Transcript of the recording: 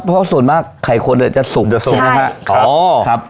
เพราะส่วนมากไข่คนอ่ะจะสุกจะสุกนะฮะใช่อ๋อครับ